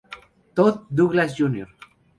Todd Douglass Jr.